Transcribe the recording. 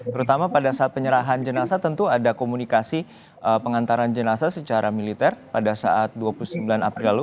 terutama pada saat penyerahan jenazah tentu ada komunikasi pengantaran jenazah secara militer pada saat dua puluh sembilan april lalu